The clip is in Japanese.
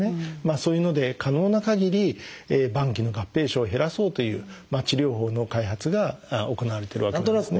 そういうので可能なかぎり晩期の合併症を減らそうという治療法の開発が行われてるわけなんですね。